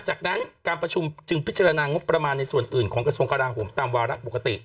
จากนั้นการประชุมจึงพิจารณางบประมาณในส่วนอื่นของกระทรวงกราโหมตามวาระปกติ